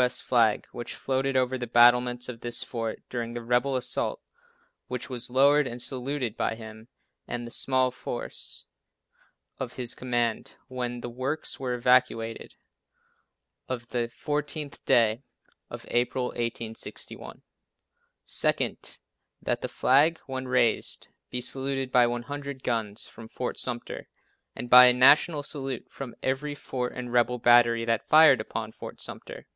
S. Flag which floated over the battlements of this fort during the rebel assault, and which was lowered and saluted by him and the small force of his command when the works were evacuated on the 14th day of April, 1861. Second, That the flag, when raised be saluted by 100 guns from Fort Sumter and by a national salute from every fort and rebel battery that fired upon Fort Sumter.